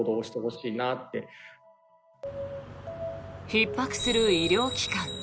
ひっ迫する医療機関。